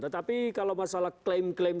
tetapi kalau masalah klaim klaim